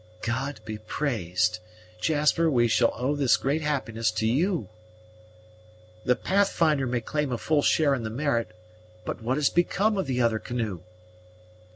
"God be praised! Jasper, we shall owe this great happiness to you." "The Pathfinder may claim a full share in the merit; but what has become of the other canoe?"